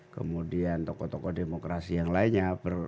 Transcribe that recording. kemudian tokoh tokoh demokrasi yang lainnya